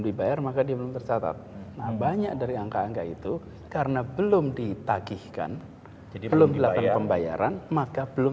dibayar maka dia belum tercatat nah banyak dari angka angka itu karena belum ditagihkan jadi belum